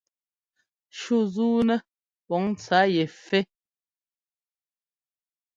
Shú zúunɛ́ pǔn ntsá yɛ fɛ́.